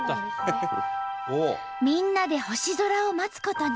みんなで星空を待つことに。